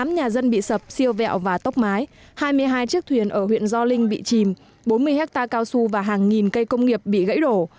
bốn mươi tám nhà dân bị sập siêu vẹo và tóc mái hai mươi hai chiếc thuyền ở huyện do linh bị chìm bốn mươi hecta cao su và hàng nghìn cây công nghiệp bị gãy đổ